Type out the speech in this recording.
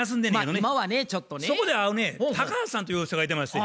そこで会うね高橋さんという人がいてまして。